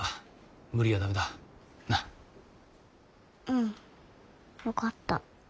うん分かった。